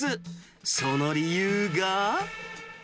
その理由が。